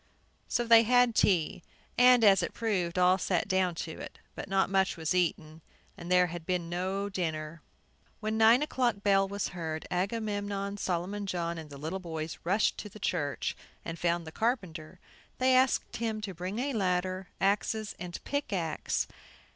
So they had tea, and, as it proved, all sat down to it. But not much was eaten, as there had been no dinner. When the nine o'clock bell was heard, Agamemnon, Solomon John, and the little boys rushed to the church, and found the carpenter. They asked him to bring a ladder, axes and pickaxe.